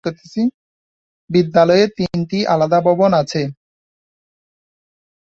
বিদ্যালয়ের তিনটি আলাদা ভবন আছে।